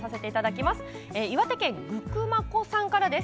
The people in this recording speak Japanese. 岩手県の方です。